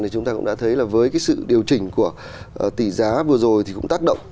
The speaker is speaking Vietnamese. thì chúng ta cũng đã thấy là với cái sự điều chỉnh của tỷ giá vừa rồi thì cũng tác động